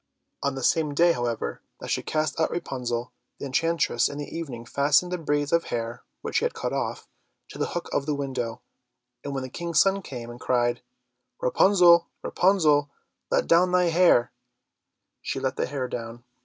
On the same day, however, that she cast out Rapunzel, the enchantress in the evening fastened the braids of hair which she had cut off, to the hook of the window, and when the King's son came and cried, "Rapunzel, Rapunzel, Let down thy hair," she let the hair down.